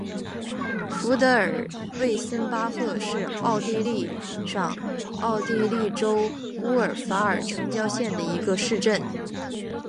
福德尔魏森巴赫是奥地利上奥地利州乌尔法尔城郊县的一个市镇。